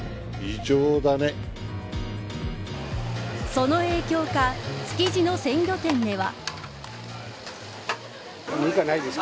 その影響か築地の鮮魚店では。